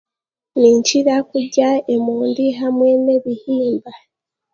Ninkira kurya emondi hamwe n'ebihimba